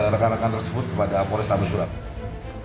rekan rekan tersebut kepada polrestabes surabaya